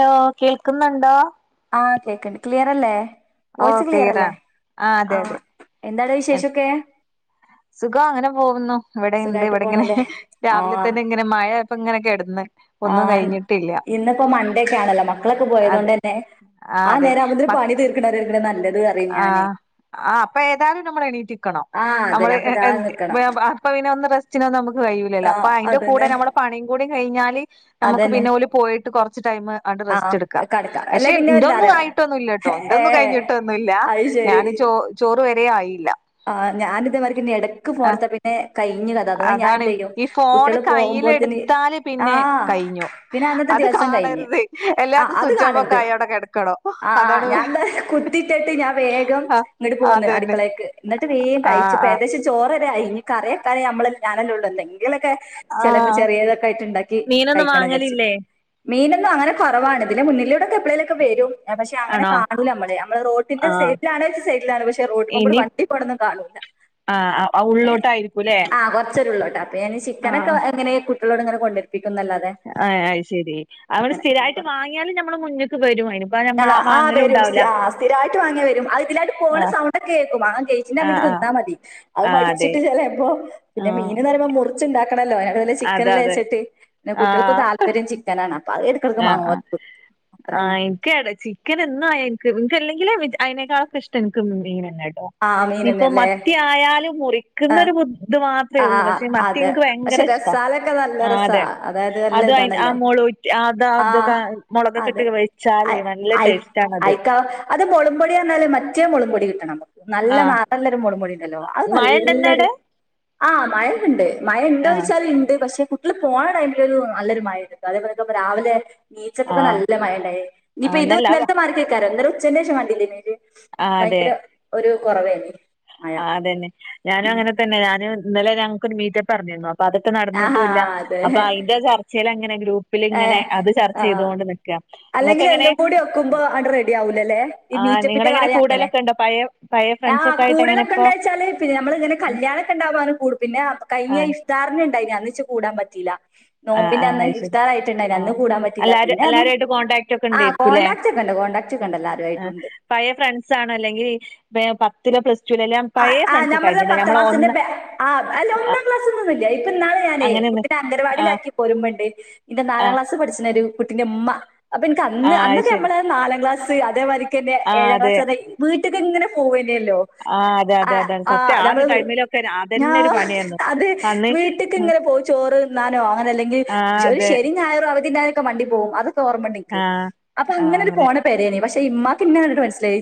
Hello കേൾക്കുന്നുണ്ടോ ആ clear അല്ലെ ഓ വോയിസ്‌ ക്ലിയർ അല്ലെ ക്ലിയറാണ് ആ അതെ അതെ വിശേഷൊക്കെ സുഖം അങ്ങനെ പോകുന്നു. ഇവിടെ ഇണ്ട് സുഖായിട്ട് ഇവിടെ ഇങ്ങനെ പോണല്ലേ രാവിലെ തന്നെ ഇങ്ങനെ മഴ ഇപ്പ ഇങ്ങനെയൊക്കെ കിടന്ന് ആ ഒന്നും കഴിഞ്ഞിട്ടില്ല ഇന്നിപ്പോ മണ്ടേക്കൊണല്ലോ മക്കളൊക്കെ പോയത് അതെ കൊണ്ട് തന്നെ ആ നേര ആവുമ്പഴുതേന് പണി തീർക്കണതീർക്കണ നല്ലത് എന്ന് പറയും ആ ഞാന് ആ അപ്പൊ ഏതായാലും നമ്മൾ എണീറ്റിക്കണം ആഹ് നമ്മള് അതന്നെ അപ്പൊ ദാ നിക്കണം അപ്പ ഇനെ ഒന്നും റെസ്റ്റിനൊന്നും നമുക്ക് കഴിയൂലല്ലോ ആഹ് അപ്പൊ അതിന്റെ കൂടെ അതന്നെ നമ്മുടെ പണിയും കൂടി കഴിഞ്ഞാല് നമുക്ക് അതന്നെ പിന്നെ ഓല് പോയിട്ട് കുറച്ച് ടൈം അങ്ങട്ട് റെസ്റ്റ് ആഹ് എടുക്കാം കടക്കാ അല്ലെ പക്ഷെ പിന്നെ ഇന്തൊന്നും എന്താറിയോ ആയിട്ടൊന്നുംല്ല കേട്ടോ ഇതൊന്നും ഏഹ് കഴിഞ്ഞിട്ടൊന്നുല്ല അത് ഞാന് ചോ ചോറ് വരെ ആയില്ല. ആ ഞാനി ഇതേമാതിരി ഇടക്ക് ആ ഫോണ് എടുത്ത പിന്നെ കഴിഞ്ഞു കത അതുകൊണ്ട് ഞാൻ അതാണ് എന്ത ചെയ്യും ഈ ഫോണ് കുട്ടികള് പോകുമ്പോത്തന് കയ്യിലെടുത്താല് ആ പിന്നെ കഴിഞ്ഞു പിന്നെ അന്നത്തെ അത് ദിവസം കഴിഞ്ഞു കാണരുത് എല്ലാ ആ അത് സ്വിച്ച് ഓഫ് ഒക്കെ കാണരുത് ആയി അവിടെ കിടക്കണം ആ അതാണ് ഞാൻ ദാ കുത്തിട്ടട്ട് ആ വേഗം ആ ഇങ്ങോട്ട് പോകുന്നു അതന്നെ അടുക്കളേക്ക് എന്നിട്ട് വേഗം ആ കഴിച്ചു ഇപ്പൊ ആ ഏകദേശം ചോറ് വരെ ആയി ഇനി കറിവയ്ക്കാൻ ഞമ്മള് ഞാനല്ല ഉള്ളു എന്തെകിലും ക്കെ ആ ചെലപ്പോ ചെറിയതൊക്കെ ആയിട്ട് ഉണ്ടാക്കി മീനൊന്നും കഴിക്കണം വിചാരിചു വാങ്ങലില്ലേ മീന് അങ്ങനെ കുറവാണ് ഇതിന്റെ മുന്നിലൂടെക്കെ എപ്പ ളെലെക്കെ വരും. പക്ഷെ അങ്ങന ആണോ കാണൂല നമ്മ നമ്മള് റോട്ടിന്റെ ആ സൈഡിലാണച്ച സൈഡിലാണ് പക്ഷെ റോട്ടിമേ കൂടെ ഇനി വ പ്പടന്ന കാണൂല്ല. ആ ആ കൊറച്ചരു ഉള്ളോട്ട് അപ്പൊ ഞാൻ ആ ചിക്കനൊക്കെ ഇങ്ങനെ കുട്ടികളോട് ഇങ്ങനെ കൊണ്ട ആ ശരി അവടെ അങ്ങനെ സ്ഥിരായിട്ട് വാങ്ങിയാല് നമ്മള് മുന്നേക്ക് വരും ആ നമ്മള് ആ ആ വാങ്ങലും വരും ഉണ്ടാവൂല സ്ഥിരമായിട്ട് വാങ്ങിയ വരും അത് ഇതിലായിട്ട് പോണ ആ സൗണ്ട് ഒക്കെ കേക്കും. [unintelligible] ആ അങ്ങട്ട് ആ ന്നാ മതി അത് ആ അതെ മടിച്ചിട്ട് ചില ആ പിന്നെ മീൻന്ന് പറയുമ്പോ മുറിച്ച്ണ്ടാക്കണല്ലോ [inaudible] അതെ ചിക്കനല്ലേ അതെ വെച്ചിട്ട് പിന്നെ ആ കുട്ടികൾക്ക് താല്പര്യം ചിക്കനാണ്. [inaudible] കക്ക് ആ മാങ്ങ ആ അത്രന്നെ ഇക്ക് എന്ന് എനിക്ക്ല്ലെങ്കിലെ അതിനേക്കാളൊക്കെ ഇഷ്ട എനക്ക് മീനഞ്ഞെ ആ മീൻ തന്നെ ഇനിയിപ്പോ അല്ലേ മത്തിയായലും മുറിക്കിന്നൊ ഒരു ബുദ്ധി മാ ആ അത്രേള്ളൂ പക്ഷെ മത്തി അതെ എനിക്ക് പക്ഷെ ഭയങ്കര ഇഷ്ടാ രസാലൊക്കെ നല്ല ആ രസാ അതെ അതായത് നല്ല അത് ആ ഇതാണല്ലോ മോളു അത ആ അതൊക്കെ മുളകക്കെ അതെ ഇട്ട് വെച്ചാാലേ നല്ല അയ് ടേസ്റ്റണത്. എന്നാല് മറ്റേ മോളക് പൊടി കിട്ടണം നല്ല ന ആഹ് നല്ലൊരു മുളക് പൊടിയിണ്ടല്ലോ അത് മഴ നല്ലൊരു ഇണ്ടന്നവിടെ ആ മയക്കിണ്ട് മഴ ആഹ് ഇണ്ടന്ന്ച്ചാല് ഇണ്ട് പക്ഷെ കുട്ടിള് പോണ ടൈമില് ഒരു നല്ലൊരു മഴണ്ട് അതേപോലെക്കെ രാവിലെ നീച്ചപ്പൊക്കെ ആഹ് നല്ല മയണ്ടായി ഇനിപ്പോ ആഹ് ഇത് ന്നല്ലാ ഇന്നൽത്തെ മാർക്ക് ക്കാരം ഇന്നരം ഉച്ചന്വേഷം കണ്ടില്ലേീല് ഭയങ്കര ഒരു കുറവെ ആ അതന്നെ ഞാനും അങ്ങനെ തന്നെ ഞാനും ഇന്നലെ ഞങ്ങക്കൊരു മീറ്റ പറഞ്ഞിന്നോ അപ്പ അതൊക്കെ ആഹാ നടന്നിട്ടുല്ല അതെ അപ്പ അതിന്റെ ചർച്ചലെ അങ്ങനെ ഗ്രൂ ഇങ്ങനെ ഏഹ് അത് ചർച്ച ആഹ് ചെയ്തൊണ്ട് നിക്ക അല്ലെങ്കിൽ ഇങ്ങക്കങ്ങനെ എല്ലാം കൂടി വെക്കുമ്പോ അങ്ങട് റെഡി ആവൂലല്ലേ ഈ ആഹ് മീറ്റപ്പിന്റെ നിങ്ങളങ്ങനെ കാര്യം അങ്ങനെ കൂടലക്കെണ്ട പയ ആ ഫ്രണ്ട്സ ഒക്കെയിട്ട് കൂടലൊക്കെ ഇണ്ടെച്ചാൽ പിന്ന നമ്മളിങ്ങനെ കല്യാണക്കെ ഇണ്ടാവാന് കുടു പിഞ്ഞ കയിഞ്ഞ ആഹ് ഇഫ്താറിന് ഇണ്ടായിര്ന്നു ച് കൂടാൻ പറ്റില്ല ആഹ് ആ ഹ് അയി ശരി ആഹ് കൂടാൻ പറ്റിയില്ല എല്ലര് പിന്നെ അത് എല്ലാരയിട്ട് കോൺടാക്ട് ഒക്കെ ആ ഇണ്ടായിരിക്കൂല്ലേ കോണ്ടാക്ട് ഒക്കെ ഉണ്ട് കോണ്ടാക്ട് ഒക്കെ ഉണ്ട് എല്ലാവരും ആ ആയിട്ടുണ്ട് പഴയ ഫ്രണ്ട്സ് ആണ അല്ലെങ്കി പത്തിലെ പ്ല ആ ആ നമ്മളുടെ പത്ത് ക്ലാസ്സിന്റെ ആ അല്ല ആ, ഒന്നാം ക്ലാസ്സിൽ നിന്നില്ല ഇപ്പൊ നാളെ ഞാനേ അങ്ങനെ കുട്ടിനെ ആഹ് അഗൻവാടിലാക്കി പോരുബെണ്ട് ഇന്റെ നാലാം ആഹ് ക്ലാസ് പഠിച്ച ഒരു കുട്ടിന്റെ ഇമ്മ അപ്പ എനിക്ക് അന്ന് ആഹ് അത് അന്നൊക്കെ ശരി നമ്മള് നാലാ ക്ലാസ് അതേമാരിക്കനെ ആഹ് ഏഴാം അതെ ക്ലാസ് വീട്ടക്ക്ങ്ങനെ പോ ല്ലെലോ ആ അതെ ആ അതെ അതെ ആ സത്യം ഒരു നമ്മള് ടൈമിലൊക്കെ ഞാ അതന്നെ ഒരു പണിയായിരുന്നു അത് അന്ന് വീട്ടക്ക് ഇങ്ങനെ പോയിച്ചോ [unintelligible] അങ്ങനെ അല്ലെങ്കി ആ ഒരു അതെ ശരി ഞായറും അവധി ക്കെ മണ്ടി പോകും അതൊക്കെ ഓർമ്മ ഇണ്ട്ക്ക് ആ അപ്പൊ അങ്ങനെ ഒരു പോണ പരേല് പക്ഷെ ഇ്മാക്ക്ന്നെണ്ടിട്ട് മനസിലായി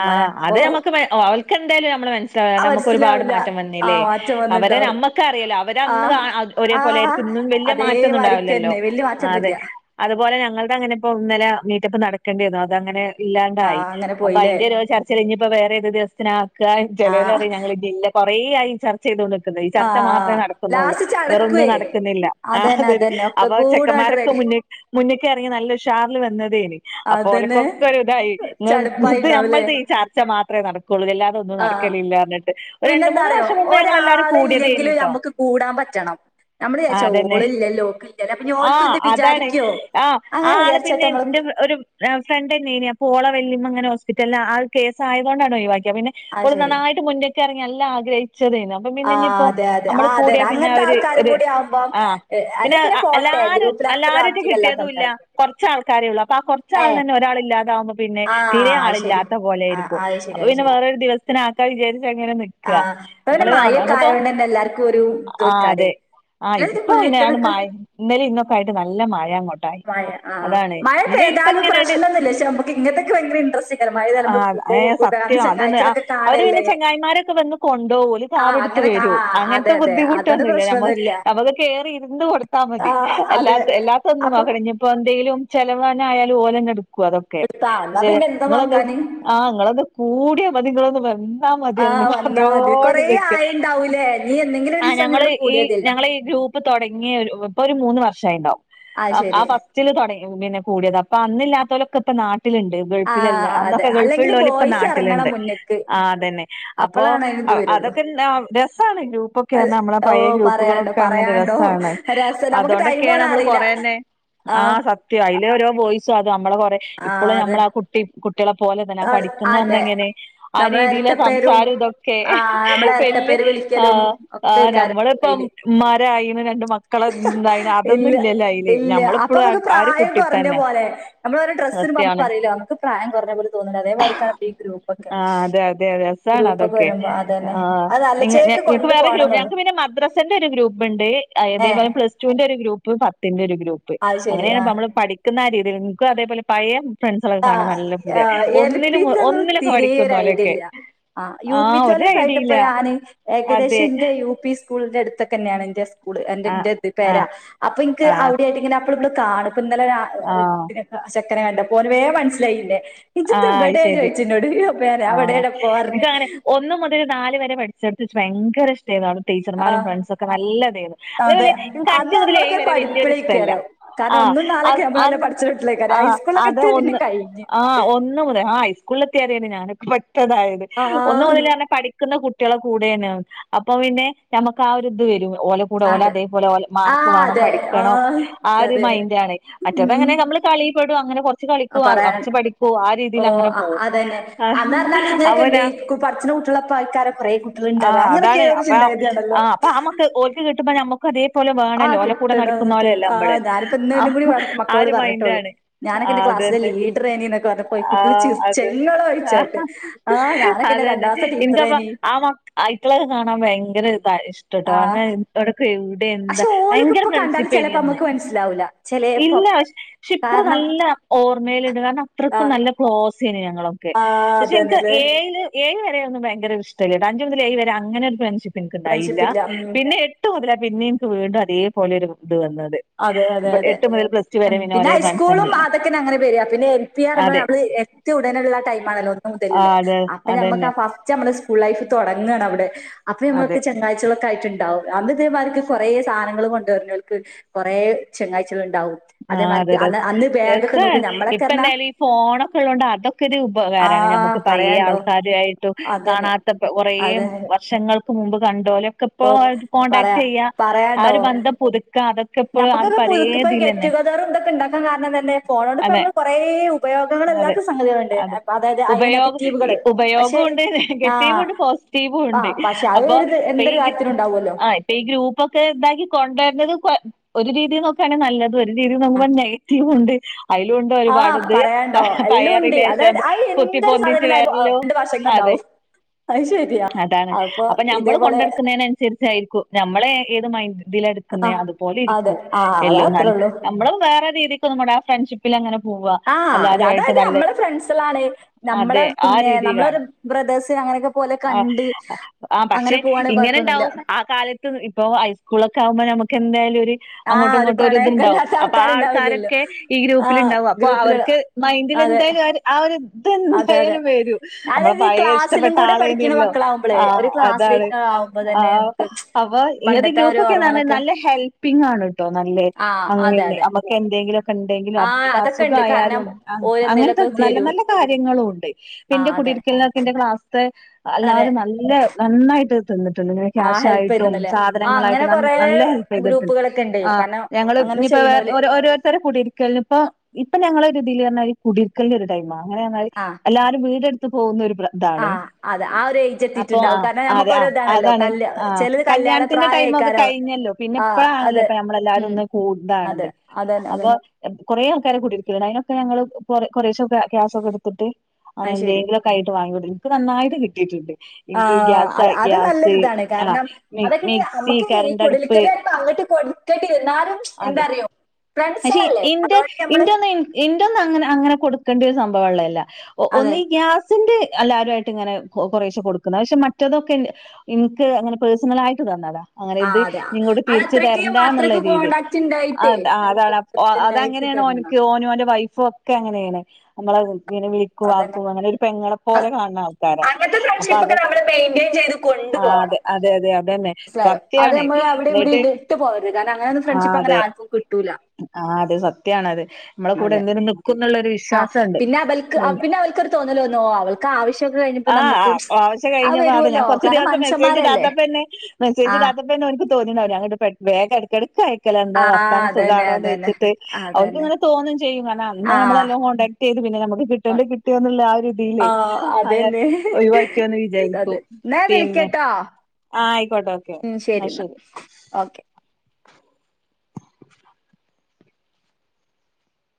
ആഹ് അത് നമ്മക്ക് ഒൽ എന്തായാലും നമ്മളെ മനസ്സിലവൂല ആ നമ്മക്ക് ഒരുപാട് മനസ്സിലാവൂല മാറ്റം ആ വന്നില്ലേ മാറ്റം അവരെ വന്നിണ്ടാവും നമ്മക്കറിയാ അവരന്ന് ആഹ് ഒരേ പോലെ ആഹ് ആരിക്കും ഇന്നും വലിയ മാറ്റംന്നും ഇണ്ടാവില്ലല്ലോ അതേമാരിക്കന്നെ വല്യ അതെ മാറ്റൊന്നുല്ല അതുപോലെ ഞങ്ങ അടെ അങ്ങനെ ഇപ്പോ ഇന്നലെ മീറ്റപ്പ് നടക്കേണ്ടിന്നു അതങ്ങനെ ഇല്ലാണ്ടായി ആഹ് അങ്ങനെ അപ്പ പോയില്ലേ അയ്ന്റെ ഒരു ചർച്ചല്ഞ്ഞ് ഇപ്പോ വേറെ ഏത് ദിവസ്ത്തിനാക ചേലോർ ആഹ് പറി ഞങ്ങൾ ഇനി ഇല്ല കൊറേ ആയി ചെയ്തൊണ്ട് ഈ ചർച്ച മാത്രെ ആഹ് നടക്ക്ന്നോള്ളൂ ലാസ്റ്റ് വേറൊന്നും ചടക്കുവേ നടക്ക്ന്നില്ല അതന്നെ ആതനെ അതന്നെ ഒക്കെ അപ്പോ ചെക്ക കൂടാണ്ട് അരക്കെ റെഡി മുന്നക്ക ഇറങ്ങി നല്ലഷാറിൽ വന്നതേന് അപ്പോ അതന്നെ ഓലക്കൊക്ക ഇതായി ഇത് ചടപ്പായിണ്ടാവുലേ നമ്മൾത് ഈ ചർച്ചമാത്രേ നടക്കോള്ളൂ ഇല്ലാതും ഒന്നും ആഹ് നടക്കലില്ലർഞ്ഞിട്ട് ഒരു രണ്ട പിന്നെന്താ മൂന്ന് അറിയോ വർഷം മുമ്പ് ഞങ്ങളല്ലാരും ഒരാളില്ലെങ്കിലും കൂടിയതെനിട്ടോ നമുക്ക് കൂടാൻ പറ്റണം നമ്മള് ആ വിചാരിച്ച അതെന്നെ ഓളില്ലല്ലോ ഓക്കില്ലല്ലോ അപ്പൊ ഇനി ആ ഓൽക്കും ഇത് അതാണ് വിചാരിക്കോ ആ ആ അങ്ങനെ ആള് വിചാരിച്ചിട്ട് പിന്നെ നമ്മള് എന്റെ ഒരു ഫ്രണ്ട്ന്നെന് അപ്പോ ഒള വെല്ലിമ്മ അങ്ങനെ ഹോസ്പിറ്റല് ആ കേസ ആയതൊണ്ടാണ് ഒഴിവാക്കിയ പിന്നെ ആ ഓള് ശരി നന്നായിട്ട് മുന്നക്ക് ഇറങ്ങി ന്നല്ലാ ആഗ്രഹി അപ്പ പിന്ന ആ ഇനിപ്പോ അതെ അതെ ആ നമ്മള് അതെ കൂടിയാ പിന്നെ അങ്ങനത്തെ ഒര് ആൾക്കാരും ഒര് കൂടി ആവുമ്പം ആ ഏ, പിന്നെ അല്ലെ അല്ല പോട്ടെ ആര് ഗ്രൂപ്പിൽ അത്ര അല്ലാര്ക്ക് ആക്റ്റീവ് അല്ലാത്ത കിട്ടിയതുല്ല ആൾക്കാരൊക്കെ ഉണ്ടെങ്കില്. കൊർച്ച് ആൾക്കാരേള്ളൂ അപ്പ ആ ഏ കുറച്ച്ൾന്നഞ്ഞെ ഒരാള് ഇല്ലാതാാവുമ്പോ പിന്നെ ആ തീരെ അത് ശരി ആളില്ലാത്ത ആ പോലെർക്കും അത് ശരി അപ്പൊ അത് പിന്നെ ശരി വേറൊരു ദിവസത്തിനക്കാ വിചാരിച്ച ങ്ങനെ നിക്ക ആ ഇപ്പൊ പിന്നെ മഴയൊക്കെ നമ്മള്പ്പോ ആയതുകൊണ്ട് തന്നെ എല്ലാവർക്കും ഒരു ഇത് ആ വെക്കാറ് അതെ ആ അല്ലാതെ ഇപ്പൊ ഇന്ന വീട്ടിലൊക്കെ മഴ ഇന്നലിം ഇന്നൊക്കെ ആയിട്ട് നല്ല മഴ അങ്ങോട്ടായി അതാണ് ചെലപ്പോ ഇതാലും ഇങ്ങനെട് പ്രശ്ണ്ണന്നില്ലഷേ നമുക്ക് ഇങ്ങത്തെക്കെ വേ ഭ ഇൻട്രസെക്കാരം മായ ത ആ നമ്മൾ ഏ പോക്കൂട്ടെ അന്ന് സത്യം ചങ്ങാഴ്ച്ചളെക്കെ കാണല്ലേ കൊണ്ടവോല് ആഹ് കാർട്ത്ത് അങ്ങനെ വേരോ ആഹ് അതെ അങ്ങനത്തെ അതെ അതോണ്ട് ബുദ്ധിമുട്ടൊന്നുല്ല നമ്മ പ്രശ്നൊന്നുല്ല നമുക്ക് കേറിഇരിന്ന് കൊടുത്ത മതി ആഹ് അതെ എല്ലാത്ത ഇല്ലാതൊന്നും അപ്പൊ നോക്കണ്ട ഇനി ഇപ്പൊ എന്തേലും ചെലവനായൽ ഓലഞ്ഞെട്ക്കും അതൊക്കെ എടുത്താ എന്നാ പക്ഷെ പിന്നെ എന്താ നിങ്ങളൊന്ന് നോക്കാന് ആഹ് നിങ്ങളൊന്ന് കൂടിയാൽ മതി നിങ്ങളൊന്ന് വന്നാ മതിയ ആഹ് വന്നാ പറഞ്ഞ് മതി കൊറേ ആയിണ്ടാവൂലേ നീ എന്നെങ്കിലും ആ ഒരീസം ഞങ്ങള് അങ്ങനട് ഈ കൂടിയതിയല്ലോ ഞങ്ങള് ഗ്രൂപ്പ് തുടങ്ങിയ ഒരു മൂന്ന് വർഷായിണ്ടാവും ആഹ് ആ ശരി ഫസ്റ്റില് പിന്നെ കൂടിയത് അപ്പൊ അന്നില്ലാത്തലൊക്കെപ്പ നാട്ടിലുണ്ട് ഗൾഫിലല്ല ആഹ് അതെ അന്നൊക്കെ അല്ലെങ്കില് ഗൾഫ്ള്ളാല് ഇപ്പ ബോയ്സ് എറങ്ങണം നാട്ടിലുണ്ട് മുന്ന്ക്ക് ആതന്നെ അപ്പോ അപ്പളാണ് അയിനിത് വരുള്ളൂ അതൊക്കെ ന്നാ രസം രസാണ് ഗ്രൂപ്പൊക്കെ അത് നമ്മളെ പഴയ ഓഹ് പറയാണ്ടോ ഗ്രൂപ്പുകളൊക്കെ അങ്ങനെ പറയാണ്ടോ രസാണ് രസം നമുക്ക് ടൈം അതുകൊണ്ടൊക്കെയാണ് പോണ നമ്മള് അറിയില്ല കൊറെ തന്നെ ആഹ് സത്യം അതിലെ ഓരോ ബോയ്സും അത് നമ്മളെ കൊറെ ആഹ് ഇപ്പളും അതെ നമ്മള ആ കുട്ടി കുട്ട കുട്ട്യളെ പോലെ തന്നെ പഠിക്കുന്ന അന്നെങ്ങനെ ആ നമ്മളെ രീതിയില ഇരട്ടപ്പേരും സംസാരം ഇതൊക്കെ ആ നമ്മളെ വല്ല്യ ഇരട്ടപ്പേര് ആ വിളിക്കലും ആ ഒക്കെക്കാരം അയില് നമ്മളപ്പമാരായിന് രണ്ട് മക്കളെ എന്തായിന് അതൊന്നുംല്ല ഇല്ല ഇല്ല അപ്പൊ ഞമ്മളിപ്പോഴും നമുക്ക് ആ ഒരു പ്രായം കുട്ടി കുറഞ്ഞ തന്നെ പോലെ നമ്മള് ഓരോ ഡ്രസ്സിന് നമ്മൾ സത്യാണ് പറയല്ലോ നമുക്ക് പ്രായം കൊറഞ്ഞ പോലെ അതേ പോലെക്കാണ് ഗ്രൂപ്പൊക്കെ ആ അതെ അതെ രസാണ് ഗ്രൂപ്പൊക്കെ അതൊക്കെ വരുമ്പ അതെ ആഹ് അ നിങ്ങ നിങ്ങക്ക് വേറെ ഗ്രൂപ്പ് ഞക്ക് പിന്ന മദ്രസന്റെ ഒരു ഗ്രൂപ്പ് ഉണ്ട് ഏ അതേപോലെ പ്ലസ് ടുവിന്റെ ഒരു ഗ്രൂപ്പ് പത്തിന്റെ ഒരു ഗ്രൂപ്പ് അത് ശരി അങ്ങനെയ ആ നമ്മള് പഠിക്കുന്ന ആ രീതിൽക്ക് അതേപോലെ പഴേ ഫ്രൻസൊക്കെ കാണാൻ ആഹ് നല്ല പുതി ആഹ് എൽ ഒന്നിനും ഒന്നിലൊക്കെ പഠിക്കുന്ന പോലൊക്കെ ആ യു പി തോലക്കൊയിട്ട് ഇപ്പ ഞാന് അതെ ഏകദേശന്റെ യു പി സ്കൂളിന്റെടുത്തക്ക തെയാണ് എറെ സ്കൂളൻ്റ്ടുത്ത് ആഹ് ക്കെ തന്നെയാണ് പേരാ ആഹ് അപ്പൊനിക്ക് ആഹ് അവിടെയയിട്ട്ങ്ങനെ അപ്പോളും ഇപ്പളുംകാണും ഇന്നലെ ആഹ് ചെക്കന് കണ്ടപ്പോ ന വേ മനസ്സിലായില്ലേ ആഹ് ശരി ഞാൻ ആഹ് അവിടെയാടെ പോ പറഞ്ഞ് എനിക്ക് അങ്ങനെ ഒന്ന് മുതൽ നാല് വരെ പഠിച്ച ഭയങ്കര ഇഷ്ടമാ താണ് ടീച്ചർമാരും ആഹ് ഫ്രണ്ട്സും ഒക്കെ നല്ലതത് അതെ അതേപോലെ എനിക്ക് അഞ്ച് അന്ന് മുതൽ ഏഴ് നമ്മളൊക്കെ ഒരു വരെ വല്ല്യ ഇഷ്ടമല്ല പഠിപ്പിലേക്കാരം കാരണം ഒന്നും ആഹ് നാലൊക്കെ നമ്മള് നല്ല പഠിച്ച വീട്ടിലേക്കാരം ആഹ് ഹൈസ്കൂളിലൊക്കെ അതെ എത്തിയാ പിന്നെ ഒന്ന് കഴിഞ്ഞ് ആഹ് ഒന്ന് മുതൽ ആ ഹൈസ്കൂളിൽ എത്തിയറിയാണ് ഞാൻ പറ്റെതായത് ഒന്ന് ആഹ് മുതൽെ പഠിക്കുന്ന കു കുട്ട്യളെ കൂടെ തന്ന അപ്പൊ പിന്നെ ഞമുക്ക് ആരി ഇത് വരും ഓല കൂടെ ആ, ഓല അതെ. അതേപോലെ ഓല മാർക്ക് ആഹ് വേണം അതെ. പഠിക്കണം ആഹ് ആ ഒരു അതെ. മൈൻഡ് ആണ് ഉം മറ്റേത്ങ്ങനെ നമ്മള് കളിപ്പെടും അങ്ങനെ കൊറച്ച് ആ, കളിക്കും പറയാൻ കൊറച്ച് പഠിക്കും ഓ ആ രീതിൽ ഓഹ് അങ്ങനെ അ പോകും അതന്നെ. ആ അന്ന് പറഞ്ഞാല് ഇങ്ങനെയൊക്കെണ്ട് അവന് ഈ കു പഠിച്ച്ണ കുട്ടികളൊപ്പം ആൾക്കാരെ കൊറേ ആ കുട്ടികള്ണ്ടാവ അങ്ങനൊക്കെ അതാണ് ഒരു അപ്പൊ ചിന്താഗതിയാണല്ലോ. ആ അപ്പൊ നമ്മക്ക് ഓൽക്ക് കിട്ടുമ്പോ നമ്മുക്ക് അതേ പോലെ ആഹ് വേണല്ലോ ഓലെ കൂടെ കിട്ടണംന്നൊക്കെ നടക്കുന്നലെല്ലോ അമ്മള് ആഹ് ഞാനിപ്പോ ആ ആ ഒരു മൈൻഡ് ആണ് ഞാനൊക്കെന്റെ ക്ലാസിലെ ലീഡറേനിന്നൊക്കെ പോയി ആ കുട്ട്യള് ചിർച്ച അത് ങ്ങ ളൊരു ഒഴിച്ചാട്ട് ആ ഞാനൊക്കെ രണ്ടാമത്തെ ടീച്ചറേനി ഐറ്റളൊക്കെ കാണാൻ ഭയങ്കര താ ഇഷ്ടം ഇടട്ടോ ആരണ ആഹ് എവിടക്ക എവിടെ പക്ഷെ എന്താ ഓലൊക്കെ ഭയങ്കര ഇപ്പൊ കണ്ടാല് ചെലപ്പോ ഫ്രണ്ട്ഷിപ്പേനിന്ന് നമ്മക്ക് മനസ്സിലാവൂല ചെലേപ്പം. ഷ ഇപ്പളും കാരണം നല്ല ഓർമ്മയില്ണ്ട് കാരണം അത്രയ്ക്കും ആഹ് നല്ല ക്ലോസ് യിനി ഞങ്ങളൊക്കെ ആഹ് പക്ഷെ എനിക്ക് അതന്നെല്ലേ. ഏയില് ഏഴ് വരെ ഒന്ന് ഭയങ്കര ഇഷ്ടല്ല അഞ്ച് മുതൽ ഏഴ് വരെ അങ്ങനെ ഒരു ഫ്രണ്ട്ഷിപ്പ് ൻക്ക്ണ്ടായില്ല ഫ്രണ്ട്ഷിപ്പ് ഇല്ല ഉം പിന്നെ എട്ട് മുതലാ പിന്നെ എനിക്ക് വീണ്ടും അതേപോലത്തൊരു അതെ അതെ അതെ പ്ലസ് ടു ഉം വരെ പിന്നെ ഒരേ പിന്നൈസ്കൂളും ഫ്രണ്ട്സന്നേനു അതൊക്കനെ അങ്ങനെ വരാ പിന്നെ [unintelligible] അതെ നമ്മള് എത്ത്യടനെള്ള ടൈ ആ മുതല്ള്ള അതെ അപ്പ ഞമ്മക്ക അതന്നെ ഫസ്റ്റമ്മടെ സ്കൂൾ ലൈഫ് തുടങ്ങാണവിടെ അതെ അപ്പൊമ്മക്ക് ച [unintelligible] മേക്കായ്റ്റ്ണ്ടാവും അന്ന് തേ മാതിരിക്ക് കൊറെ സാധനങ്ങള് കൊണ്ടേര്ന്നോൽക്ക് കൊറേ ഉണ്ടാവും ആ അതെ അതേമാതിരി രസ അന്ന് അന്ന് ബാഗൊക്കെ രസാ നോക്കും നമ്മളൊക്കെ ഇപ്പ പറഞ്ഞാ എന്തായാലും ഈ ഫോണൊക്കെ ഉള്ളതോണ്ട് അതൊക്കെരു ആ പകാരാണ് നമുക്ക്പ്പയ്യെ പറയാണ്ടോ ആൾക്കാരായിട്ടും അതന്നെ കാണാത്ത കൊറേ അതെ വർഷങ്ങൾ മുമ്പ് കണ്ടോലെക്കെപ്പൊ കോണ്ടാക്ട് പറയാ ചെയ്യ ആ പറയാണ്ടോ ഒരു ബന്ധം പുതുക്ക അതൊക്ക ക്കെപ്പോഴും അത് നമുക്കൊക്കെ പുതുക്കി പഴേതിലന്നെ [unintelligible] ഇതൊക്കെ ഉണ്ടാക്കാ കാരണം തന്നെ ഫോണോട് അതെ നമ്മൾ കുറേ ഉപയോഗങ്ങൾല്ലാത്ത സംഗതികളുണ്ട് അതായത് അതിന് ഉപയോഗം നെഗറ്റീവുകള് പക്ഷെ ഉപയോഗൊണ്ട് ആ നെഗറ്റീവ് ഉണ്ട് പോസിറ്റീവും ആ ഉണ്ട് പക്ഷെ അത് അപ്പൊ ഒരു ഇത് എന്തൊരു കാര്യത്തിനും ഉണ്ടാവുമല്ലോ ആഹ ഇപ്പൊ ഈ ഗ്രൂപ്പൊക്കെ ഇന്താക്കി കൊണ്ടുവരുന്നത് കൊ ഒരു രീതി നോക്കുകയാണെ നല്ലത് ഒരു രീതി നോക്കുമ്പ നെഗറ്റീവുണ്ട് അയിലുണ്ടോ ആ ഒരുപാട്ത് പ പറയാണ്ടോ എല്ലാം ഉണ്ട് പയറിലേശം അതായത് അത് കുത്തി എന്തൊരു പൊന്തിച്ച് സാധനം വേറല്ലോ രണ്ട് അത [unintelligible] ശരിയാ അതാണ് അപ്പൊ ഞമ്മള് കൊണ്ടെടുക്കുന്നേനനുസരിച്ചായിക്കും ഞമ്മളെ ഏത് മൈഡ ആ തിലെടുക്കുന്നേ അതുപോലെ അതെ ഇരിക്കൂ ആ അത് എല്ലോ നൽ അത്രേ ഉള്ളൂ നമ്മള് വേറെ രീതിക്ക് നമ്മുടെ ആ ഫ്രണ്ട്ഷിപ്പിൽ അങ്ങനെ പോവാ ആ എല്ലാരു ആയിട്ട് അതായത് നല്ല നമ്മളെ ഫ്രണ്ട്സിലാണ് നമ്മളെ അതെ ആ പിന്നെ നമ്മളൊരു രീതിയിലാണ് ബ്രദേഴ്സ് അങ്ങനെയൊക്കെ പോലെ ആ കണ്ട് ആ പക്ഷെ അങ്ങനെ പോവാണെങ്കിൽ കുഴപ്പമൊന്നുമില്ല ഇങ്ങനെണ്ടാവും ആ കാലത്ത് ഇപ്പൊ ഹൈസ്കൂളൊക്കെ മ്പോ നമുക്ക് എന്തായാലും ഒരു ആഹ് ഒരു അങ്ങോട്ട്ങ്ങോട്ടൊരു ണ്ടാം പ്രണയൊക്കെല്ലാത്ത ആൾക്കാരുണ്ടാവില്ലല്ലോ അപ്പാൾക്കാരൊക്കെ ഈ ആഹ് ഗ്രൂപ്പില്ണ്ടാവും അപ്പോ ഗ്രൂപ്പില് അവർക്ക് അതെ മൈൻഡിലെന്ത അതെ അതെ അതെന്തായാലും വരൂ നമ്മള് അതായത് ഈ പഴേ ക്ലാസ്സിലും ഇഷ്ടപ്പെട്ട കൂടെ പഠിക്കുന്ന ആളേനല്ലോ മക്കളാവുമ്പളേ ആ ഒരു ക്ലാസ്സില് അതാണ് ആവുമ്പോ ആ തന്നെ നമുക്ക് അപ്പ ഏത് പണ്ടത്തെ ആ ഒരു ഗ്രൂപ്പൊക്കെന്നറഞ്ഞൽ ഓർമ്മകളൊക്കെ നല്ല ഹെൽപ്പിംഗാണ് ട്ടോ നല്ല ആഹ് അതെ അങ്ങന്നെ അതെ അമ്മക്ക് എന്തെങ്കിലൊക്കെണ്ടെങ്കിലും ആഹ് പ്പോ അതൊക്കെ ഉണ്ട് കാരണം അസുഖായാലും അങ്ങനത്തെ ഓരെന്തേലൊക്കെ നല്ല തരും നല്ല കാര്യ ങ്ങളുണ്ട് പ്പന്റെ ആഹ് അതെ കുടരിക്കല്നക്കെന്റെ ക്ലാസ്ത്തെ അതെ അല്ലാതും നല്ല നന്നായിട്ട് ന്നിട്ടുണ്ട് ഇങ്ങനെ ആ ക്യാഷ് ഹെൽപ്പ് ആയിട്ടും ചെയ്തന്നല്ലേ ആഹ് അങ്ങനെ സാധനങ്ങളായിട്ടും ന കൊറേ നല്ല ഹെൽപ് ചെയ്തിട്ടുണ്ട് ഗ്രൂപ്പുകളൊക്കെ ഉണ്ട് ആ കാരണം ഞങ്ങള് അങ്ങനെ നീപ്പ വേ ചെയ്യണോല് ഓരോരുത്തരെ കൂടിയിരിക്കല്നിപ്പൊ ഇപ്പൊ ഞങ്ങള് റന്നാല് കുടിക്കല്ന്റെരു ടൈമ. അങ്ങനറനാല് ആഹ് എല്ലാരും വീടെടുത്ത് പോന്നരു ആഹ് അതെ ആ ഒരു ഏജ് അപ്പ ആ എത്തിയിട്ടുണ്ടാവും കാരണം അതെ നമുക്ക് ആ ഓരോ ഇതാണല്ലോ അതാണ് കല് ആ ചിലത് കല്യാണ കല്യാണത്തിന്റെ മൊക്കെ പ്രായക്കാരോ കഴിഞ്ഞല്ലോ ആഹ് അതെ പിന്നിപ്പഴാണല്ലോപ്പ ഞമ്മളെല്ലാരും ഉം ഒന്ന് അതെ കൂടുതാണത് അതന്നെ അപ്പൊ അതന്നെ കുറേ ആൾക്കാരെ കൂടിരിക്കല് അയ്നൊക്കെ ഞങ്ങള് കൊറ കൊറേശൊക്ക ക്യാഷൊക്കെടുത്തിട്ട് അനെ അത് ശരി. എന്തെങ്കിലൊക്കെ ആയിട്ട് വാങ്ങി വിട്ട നിക്ക് നന്നായിട്ട് കിട്ടീട്ടുണ്ട് ആ അത് നല്ലൊരിതാണ് ആ കാരണം മി അതൊക്കെ മിക്സി നമുക്ക് ഈ കരണ്ടടുപ്പ് കുടലിക്കല് അങ്ങട്ട് [unintelligible] എന്താ അതെ അറിയോ പക്ഷെ ഇ ഫ്രണ്ട്സുകളല്ലേ ഇന്റ അതുകൊണ്ട് നമ്മള് ഇന്റന്ന് ഇന്റന്ന് അങ്ങനെ അങ്ങനെ കൊടുക്ക ണ്ടിയ സംഭവൊള്ളയല്ല അതെ ഒന്നി ഞാ [unintelligible] എല്ലാരുവായിട്ട്ങ്ങനെ കൊറേശെ കൊടുക്കുന്നെ പക്ഷെ മറ്റതൊക്കെങ്ക് അങ്ങനെ പേഴ്സണലായിട്ട് തന്നതാ അങ്ങനെ ആ ഇത് അതെ ആ ഇങ്ങോട്ട് അത് തിരിച്ചു അത്രയ്ക്ക് തരണ്ടാന്നുള്ള അത്രയ്ക്ക് [unintelligible] കോണ്ടാക്ട് ഉണ്ടായിട്ടേ അത നമുക്ക് അതാണ് ഉണ്ടായിട്ട് അതങ്ങനെയാണ് തരണം ഓന്ക്ക് ഓനു ഓന്റഴവൈഫു പൊക്കെ അങ്ങനേണ് നമ്മളെ വി ഇങ്ങനെ അതന്നെ വിളിക്കുവാക്കും അങ്ങനെ ഒരു പെങ്ങളെ പോലെ അ- കാണ്ണ ആൾക്കാരാണ് അങ്ങനത്തെ അപ്പൊ ഫ്രണ്ട്ഷിപ്പ് അത് ഒക്കെ നമ്മൾ മെയിൻറ്റെയിൻ ആ അതെ അതെ അതെ അ സ്സ്ലായോ അത് നമ്മള് അവിടി ഇവിടി ഇട്ട് പോവരുത് കാരണം അങ്ങനൊന്ന് ആ ഫ്രണ്ട്ഷിപ്പ് അങ്ങനെ അതെ ആർക്കും കിട്ടൂല്ല ആ അത് സത്യാണത് നമ്മള കൂടെ എന്തിനും നൽക്കുംന്ന്ള്ളരു ആഹ് വിശ്വാസണ്ട് പിന്നെ അവൾക്ക് പി അ- പിന്നെ അവൾക്കൊരു തോന്നല് വന്നു ഓ അവൾക്ക് ആവശ്യമൊക്കെ കഴിഞ്ഞപ്പോ ആഹ് നമുക്ക് ആവശ്യം അത് കഴിഞ്ഞപ്പോ അത വരുവല്ലോ ഞാൻ കൊർച്ചു കാരണം ദിവസം മെസ്സേജ് മനുഷ്യന്മാരല്ലേ ഇടാത്തപ്പന്നെ ആഹ് മെസേജ്ടാത്തപ്പന്നെ ഓൻക്ക് [unintelligible] ഞാന് പെ വേഗം എട്ക്കെട്ക്കയ് ക്കല എന്താ ആഹ് വർത്താനം അതന്നെ അതന്നെ സുഖിണോന്നൊയ്ചിട്ട് അതന്നെ ഓൻക്ക്ങ്ങനെ തോന്നി ചെയ്യും കാര്ണം അന്ന് ആഹ് നമ്മളല്ലോ കോടാക്ടെയ്തു പിന്നെ നമക്ക് കിട്ടേണ്ട കിട്ട്യോ ൺന്ന്ള്ള ആ ഒര് രിതീല് ആഹ് അ അതന്നെ ഒഴിവാക്ക്യോന്ന് വിചാരിക്കു അതെ എന്നാ പിന്നെ വിളിക്കട്ടോ ആഹ് ആയിക്കോട്ടെ ഓക്കെ എന്നാ ശരി ഓക്കെ